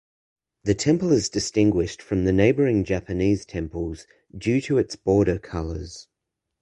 The temple is distinguished from the neighboring Japanese temples due to its bolder colors.